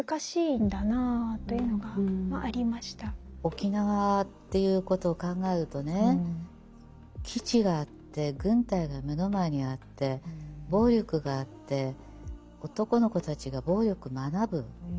沖縄っていうことを考えるとね基地があって軍隊が目の前にあって暴力があって男の子たちが暴力学ぶ。